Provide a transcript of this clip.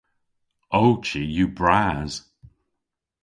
Ow chi yw bras!